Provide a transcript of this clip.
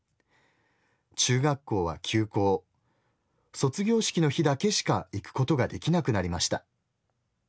中学校は休校卒業式の日だけしか行くことが出来なくなりました。